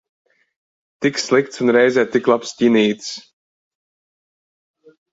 Tik slikts un reizē tik labs ķinītis.